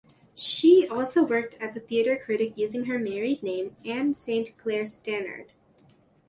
She also worked as a theatre critic using her married name, Ann Saint Clair-Stannard.